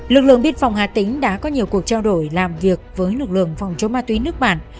lực lượng biên phòng hà tĩnh đã có nhiều cuộc trao đổi làm việc với lực lượng phòng chống ma túy nước bản